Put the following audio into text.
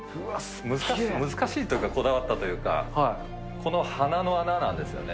難しいというか、こだわったというか、この鼻の穴なんですよね。